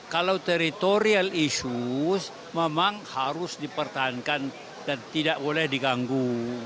kalau teritorial issues memang harus dipertahankan dan tidak boleh diganggu